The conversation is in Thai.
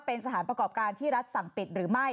เป็นสถานประกอบการที่รัฐสั่งปิดหรือไม่